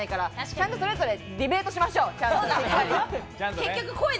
ちゃんとディベートしましょう。